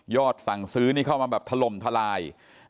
สั่งซื้อนี่เข้ามาแบบถล่มทลาย